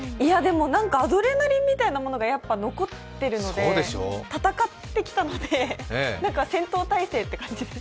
アドレナリンみたいなものが残っているので、戦ってきたので戦闘態勢って感じです。